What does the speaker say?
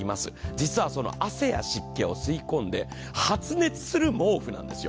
実は湿気や汗を吸い込んで発熱する毛布なんですよ。